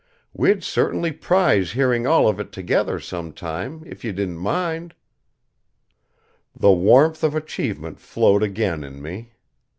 We'd certainly prize hearing all of it together, sometime, if you didn't mind." The warmth of achievement flowed again in me.